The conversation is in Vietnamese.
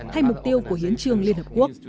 hay mục tiêu của hiến trương liên hợp quốc